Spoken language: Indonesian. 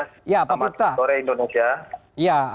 selamat sore indonesia